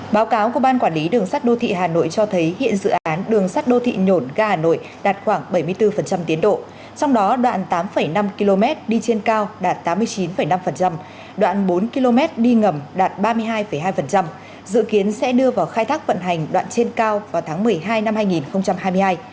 báo cáo của ban quản lý đường sắt đô thị hà nội cho thấy hiện dự án đường sắt đô thị nhổn ga hà nội đạt khoảng bảy mươi bốn tiến độ trong đó đoạn tám năm km đi trên cao đạt tám mươi chín năm đoạn bốn km đi ngầm đạt ba mươi hai hai dự kiến sẽ đưa vào khai thác vận hành đoạn trên cao vào tháng một mươi hai năm hai nghìn hai mươi hai